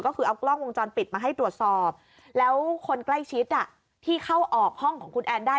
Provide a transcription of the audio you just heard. ก็คือเอากล้องวงจรปิดมาให้ตรวจสอบแล้วคนใกล้ชิดที่เข้าออกห้องของคุณแอนได้